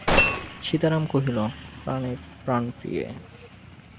সীতারাম কহিল, প্রাণপ্রিয়ে।